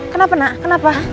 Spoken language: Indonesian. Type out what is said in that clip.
kenapa nak kenapa